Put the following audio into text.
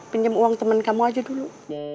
pinjam uang teman kamu aja dulu